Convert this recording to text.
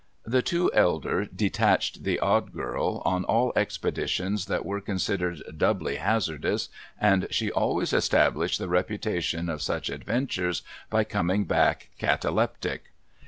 The two elder detached the Odd Girl on all expedi tions that were considered doubly hazardous, and she always established the reputation of such adventures by coming back cataleptic.